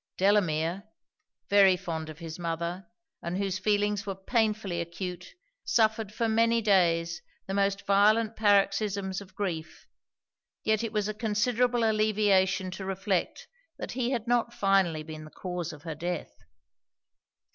Delamere, very fond of his mother, and whose feelings were painfully acute, suffered for many days the most violent paroxysms of grief; yet it was a considerable alleviation to reflect that he had not finally been the cause of her death.